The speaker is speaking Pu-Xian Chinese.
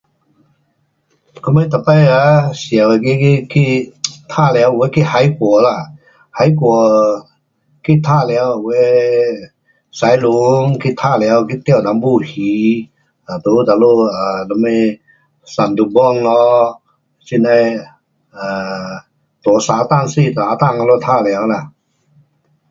到位每次，有的去海外啦。海外去玩耍。有的驾船去玩耍去钓一些鱼 um 在哪里什么 santubong loh [foo chow] um 大沙滩小沙滩啦